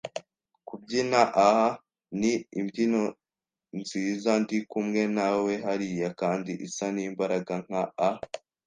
kubyina? Ah, ni imbyino nziza - Ndi kumwe nawe hariya - kandi isa nimbaraga nka a